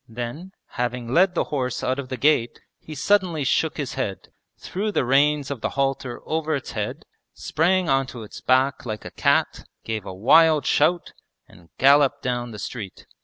Then, having led the horse out of the gate, he suddenly shook his head, threw the reins of the halter over its head, sprang onto its back like a cat, gave a wild shout, and galloped down the street.